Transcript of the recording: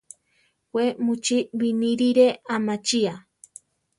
We mu chi binírire amachia.